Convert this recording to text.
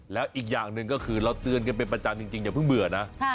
แล้วอีกอย่างหนึ่งก็คือเราเตือนกันเป็นประจำจริงอย่าเพิ่งเบื่อนะ